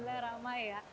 alhamdulillah ramai ya